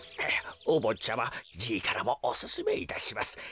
おぼっちゃまじいからもおすすめいたします。